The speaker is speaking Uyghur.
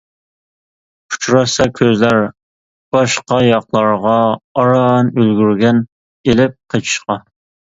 ئۇچراشسا كۆزلەر، باشقا ياقلارغا، ئاران ئۈلگۈرگەن، ئىلىپ قېچىشقا.